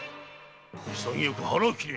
潔く腹を切れ！